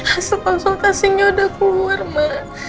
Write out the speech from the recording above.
asal konsultasinya udah keluar ma